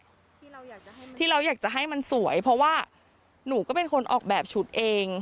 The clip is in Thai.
ที่เราอยากจะให้ที่เราอยากจะให้มันสวยเพราะว่าหนูก็เป็นคนออกแบบชุดเอง